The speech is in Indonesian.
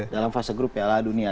dalam fase grup piala dunia